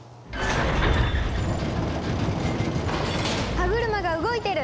歯車が動いてる！